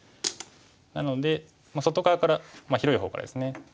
なので外側から広い方からですね。